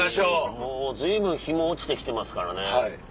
もう随分日も落ちて来てますからね。